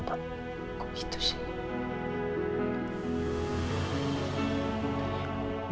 kok gitu sih